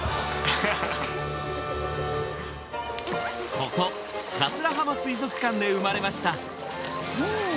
ここ桂浜水族館で生まれました